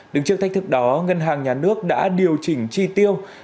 đứng trước thách thức đó ngân hàng nhà nước đã điều chỉnh chi tiêu